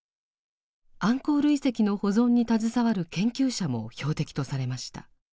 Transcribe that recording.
アンコール遺跡の保存に携わる研究者も標的とされました。